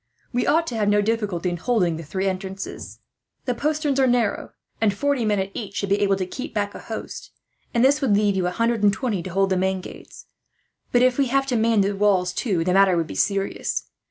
"We ought to have no difficulty in holding the three entrances. The posterns are narrow, and forty men at each should be able to keep back a host; and this would leave you a hundred and twenty to hold the main gates. But if we have to man the walls, too, the matter would be serious.